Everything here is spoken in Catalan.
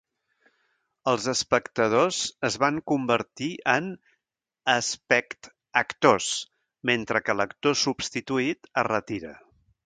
Els espectadors es van convertir en "espect-actors", mentre que l'actor substituït es retira.